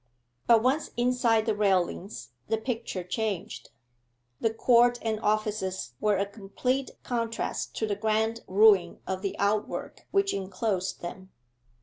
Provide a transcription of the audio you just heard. But once inside the railings the picture changed. The court and offices were a complete contrast to the grand ruin of the outwork which enclosed them.